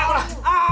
ああ。